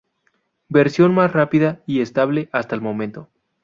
Versión más rápida y estable hasta el momento.